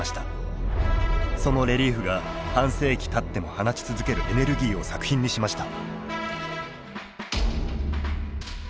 そのレリーフが半世紀たっても放ち続けるエネルギーを作品にしました。